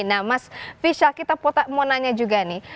nah mas visa kita mau nanya juga nih